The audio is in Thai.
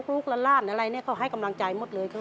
ลูกร้านอะไรเขาให้กำลังใจหมดเลย